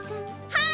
はい！